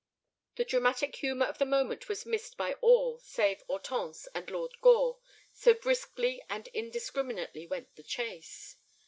The dramatic humor of the moment was missed by all save Hortense and Lord Gore, so briskly and indiscriminately went the chase.